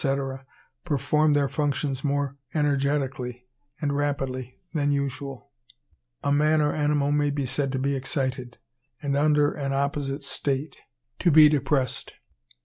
—perform their functions more energetically and rapidly than usual, a man or animal may be said to be excited, and, under an opposite state, to be depressed.